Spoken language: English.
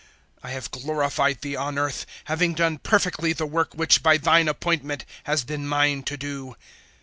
017:004 I have glorified Thee on earth, having done perfectly the work which by Thine appointment has been mine to do.